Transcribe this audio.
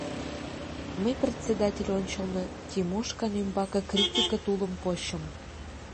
Мый председатель ончылно Тимошкан ӱмбаке критике тулым почым.